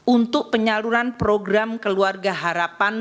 untuk penyaluran program keluarga harapan